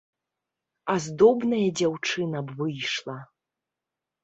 Аздобная дзяўчына б выйшла.